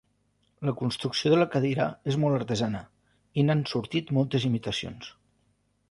La construcció de la cadira és molt artesana i n'han sortit moltes imitacions.